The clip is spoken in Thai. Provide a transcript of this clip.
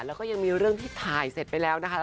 แล้วก็ยังมีระยะอะไรที่ถ่ายเสร็จไปแล้ว